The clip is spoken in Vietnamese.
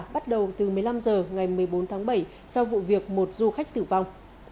bắt đầu từ một mươi năm h ngày một mươi bốn tháng bảy sau vụ việc một du khách tử vong